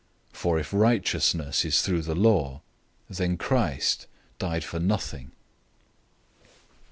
For if righteousness is through the law, then Christ died for nothing!"